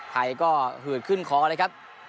ไทยก็หืดขึ้นคอเลยครับ